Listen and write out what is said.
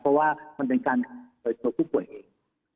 เพราะว่ามันเป็นการเหยื่อชนเนื้อผู้คุยเอง